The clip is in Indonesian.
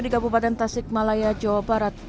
di kabupaten tasikmalaya jawa barat